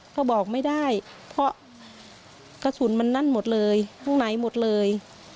เขาบอกไม่ได้เพราะกระสุนมันนั่นหมดเลยข้างในหมดเลย